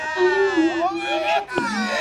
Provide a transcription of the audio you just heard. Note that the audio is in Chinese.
清代隶广肇罗道。